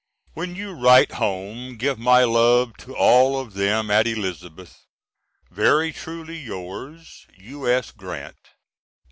When you write home give my love to all of them at Elizabeth. Very truly yours, U.S. GRANT.